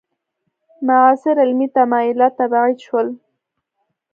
معاصر علمي تمایلات تبعید شول.